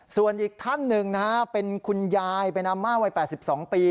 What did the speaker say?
ส่วนอีกท่านหนึ่งนะฮะเป็นคุณยายเป็นอาม่าวัย๘๒ปี